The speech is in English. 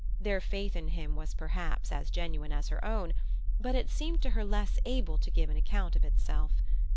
Their faith in him was perhaps as genuine as her own; but it seemed to her less able to give an account of itself.